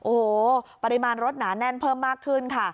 โอ้โหปริมาณรถหนาแน่นเพิ่มมากขึ้นค่ะ